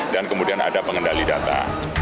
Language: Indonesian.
dan kemudian ada pengendali data